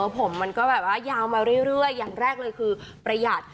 ผมมันก็แบบว่ายาวมาเรื่อยอย่างแรกเลยคือประหยัด